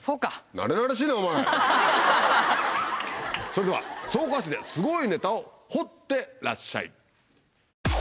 それでは草加市ですごいネタを掘ってらっしゃい。